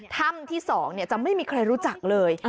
ถ้ำที่๒จะไม่มีใครรู้จักเลย